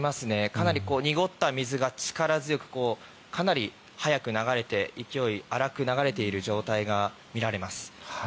かなり濁った水が力強く、かなり速く流れて勢い荒く流れている状態が見られます。